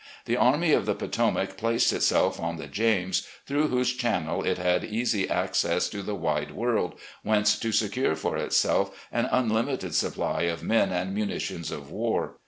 The Army of the Potomac placed itself on the James, through whose channel it had easy access to the wide world whence to secure for itself an unlimited supply of men and mimitions of war.